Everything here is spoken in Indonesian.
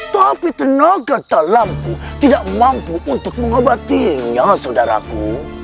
tapi tenaga talamku tidak mampu untuk mengobatinya saudaraku